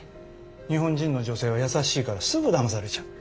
日本人の女性は優しいからすぐだまされちゃう。